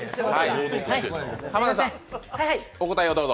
濱田さん、お答えをどうぞ。